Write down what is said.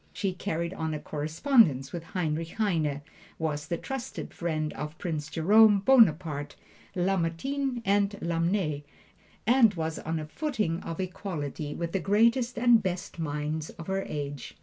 She carried on a correspondence with Heinrich Heine, was the trusted friend of Prince Jerome Bonaparte, Lamartine and Lamennais, and was on a footing of equality with the greatest and best minds of her age.